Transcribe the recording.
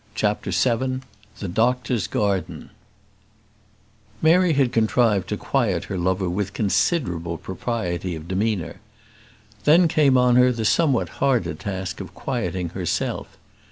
CHAPTER VII The Doctor's Garden Mary had contrived to quiet her lover with considerable propriety of demeanour. Then came on her the somewhat harder task of quieting herself.